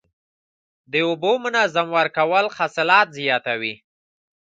د اوبو منظم ورکول حاصلات زیاتوي.